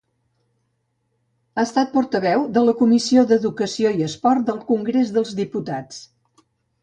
Ha estat portaveu de la Comissió d'Educació i Esport del Congrés dels Diputats.